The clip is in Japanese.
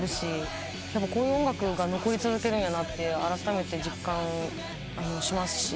やっぱこういう音楽が残り続けるんやなってあらためて実感しますし。